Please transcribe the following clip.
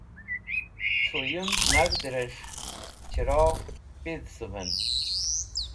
thruyung nag̃hd'resh chirogh pidhcuven